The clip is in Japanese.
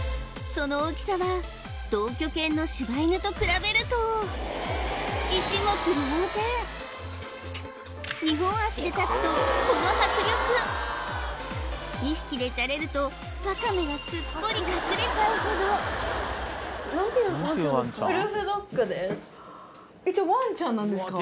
その大きさは同居犬の柴犬と比べると一目瞭然２本脚で立つとこの迫力２匹でじゃれるとわかめがすっぽり隠れちゃうほどわんちゃんなんですか？